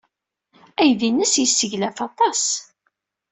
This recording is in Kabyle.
Aydi-nnes yesseglaf aṭas.